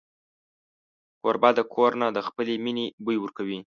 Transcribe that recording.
کوربه د کور نه د خپلې مینې بوی ورکوي.